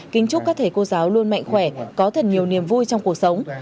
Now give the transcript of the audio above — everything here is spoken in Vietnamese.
kính chúc các thầy cô giáo luôn mạnh khỏe có thần nhiều niềm vui trong cuộc sống